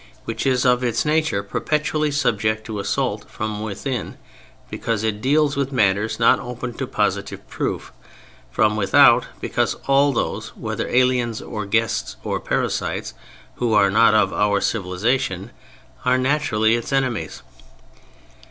It is of its nature perpetually subject to assault; from within, because it deals with matters not open to positive proof; from without, because all those, whether aliens or guests or parasites, who are not of our civilization, are naturally its enemies.